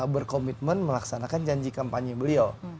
berkomitmen melaksanakan janji kampanye beliau